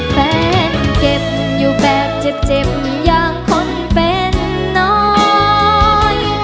เก็บอยู่แบบเจ็บอย่างคนเป็นน้อย